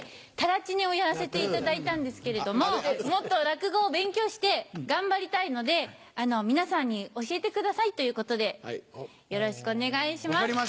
『たらちね』をやらせていただいたんですけれどももっと落語を勉強して頑張りたいので皆さんに教えてくださいということでよろしくお願いします。